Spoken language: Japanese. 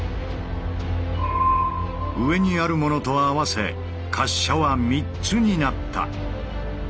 上にあるものと合わせ滑車は３つになった。